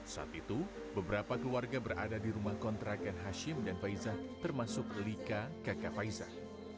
saat itu beberapa keluarga berada di rumah kontrakan hashim dan faizah termasuk lika kakak faizah